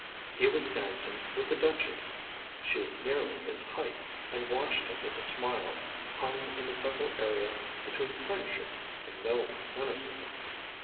He was dancing with the Duchess. She was nearly his height, and watched him with a smile hung in the subtle area between friendship and knowing cynicism.